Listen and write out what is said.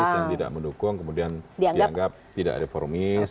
yang tidak mendukung kemudian dianggap tidak reformis